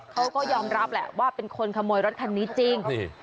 เขาก็ยอมรับแหละว่าเป็นคนขโมยรถคันนี้จริง